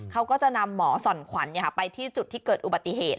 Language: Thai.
เขาก็จะนำหมอส่อนขวัญไปที่จุดที่เกิดอุบัติเหตุ